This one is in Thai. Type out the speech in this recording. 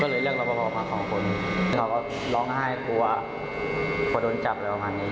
ก็เลยเรียกว่าเป็นของคนนี่เขาก็ร้องไห้กลัวว่าโดนจับอะไรขนาดงี้